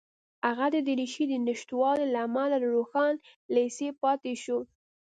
هغه د دریشۍ د نشتوالي له امله له روښان لېسې پاتې شو